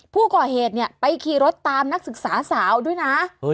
ผู้ก่อเหตุเนี่ยไปขี่รถตามนักศึกษาสาวด้วยนะ